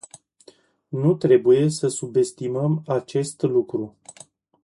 Nu trebuie să subestimăm acest lucru.